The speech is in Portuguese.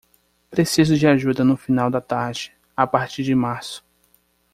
Preciso de ajuda no final da tarde, a partir de março.